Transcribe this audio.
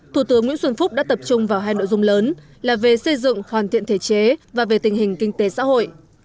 thủ tướng nguyễn xuân phúc đã tập trung vào hai nội dung lớn là về xây dựng hoàn thiện thể chế và về tình hình kinh tế xã hội